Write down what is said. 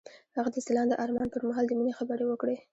هغه د ځلانده آرمان پر مهال د مینې خبرې وکړې.